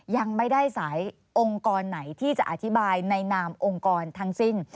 ยังไม่ได้สายองค์กรไหนที่จะอธิบายในนามองค์กรทั้งสิ้น